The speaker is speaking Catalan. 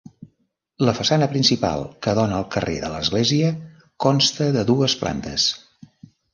La façana principal que dóna al carrer de l'església consta de dues plantes.